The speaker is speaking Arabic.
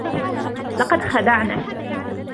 لقد خدعنك.